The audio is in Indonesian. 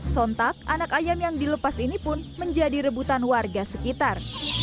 sontak anak ayam yang dilepas ini pun menjadi rebutan warga sekitar